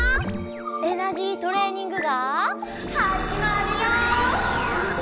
エナジートレーニングがはじまるよ！